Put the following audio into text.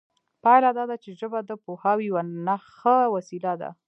پایله دا ده چې ژبه د پوهاوي یوه ښه وسیله ده